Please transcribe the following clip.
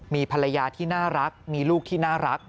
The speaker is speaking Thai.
มีภรรยาที่น่ารักมีลูกที่น่ารัก